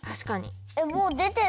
えっもうでてるの？